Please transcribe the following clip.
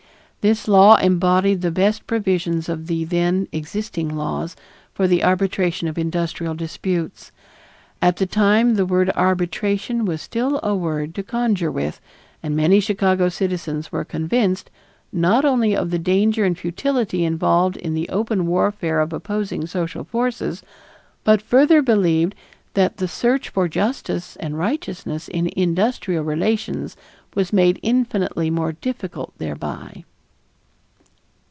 This law embodied the best provisions of the then existing laws for the arbitration of industrial disputes. At the time the word arbitration was still a word to conjure with, and many Chicago citizens were convinced, not only of the danger and futility involved in the open warfare of opposing social forces, but further believed that the search for justice and righteousness in industrial relations was made infinitely more difficult thereby.